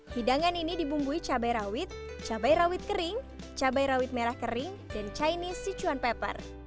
hidangan ini dibumbui cabai rawit cabai rawit kering cabai rawit merah kering dan chinese sichuan pepper